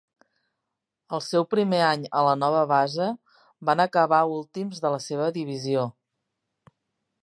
El seu primer any a la nova base, van acabar últims de la seva divisió.